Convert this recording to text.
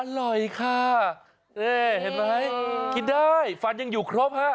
อร่อยค่ะนี่เห็นไหมกินได้ฟันยังอยู่ครบฮะ